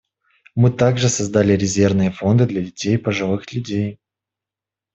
Мы также создали резервные фонды для детей и пожилых людей.